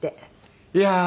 いやー